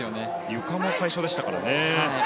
ゆかも最初でしたからね。